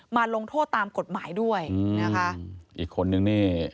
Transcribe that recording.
ลงโทษตามกฎหมายด้วยนะคะอีกคนนึงนี่